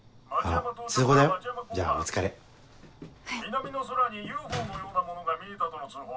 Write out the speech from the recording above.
南の空にＵＦＯのようなものが見えたとの通報。